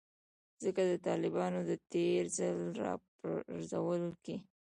ځکه د طالبانو د تیر ځل راپرځولو کې